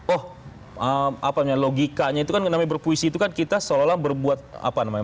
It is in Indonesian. oh apa namanya logikanya itu kan namanya berpuisi itu kan kita seolah olah berbuat apa namanya